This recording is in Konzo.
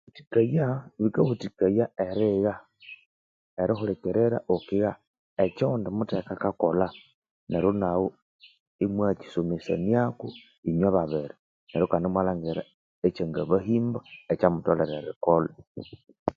Thikayaa bikawathikaya erigha erihulikirira ghukigha okyo oghundi mutheke akakolha neryo naghu imwaya kisomesaniako inywe babiri neryo kandi imwalhangira ekyanga bahimba ekyamutholere erikolha